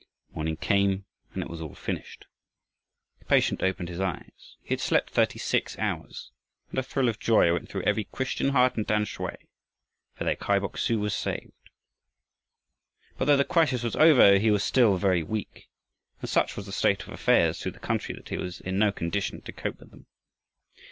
Morning came and it was all finished. The patient opened his eyes. He had slept thirty six hours, and a thrill of joy went through every Christian heart in Tamsui, for their Kai Bok su was saved! But though the crisis was over, he was still very weak, and such was the state of affairs through the country that he was in no condition to cope with them.